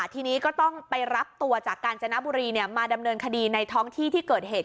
ทีนี้ก็ต้องไปรับตัวจากกาญจนบุรีมาดำเนินคดีในท้องที่ที่เกิดเหตุ